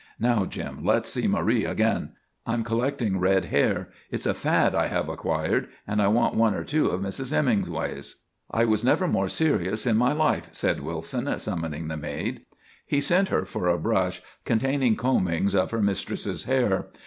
"Now, Jim, let's see Marie again. I'm collecting red hair; it's a fad I have acquired, and I want one or two of Mrs. Hemingway's." "I was never more serious in my life," said Wilson, summoning the maid. He sent her for a brush containing combings of her mistress's hair.